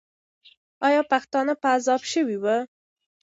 آیا پښتانه په عذاب سوي وو؟